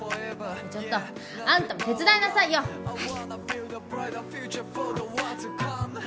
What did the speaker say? ちょっとあんたも手伝いなさいよ。早く！